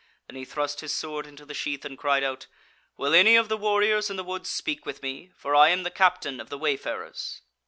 Then he thrust his sword into the sheath, and cried out: "Will any of the warriors in the wood speak with me; for I am the captain of the wayfarers?"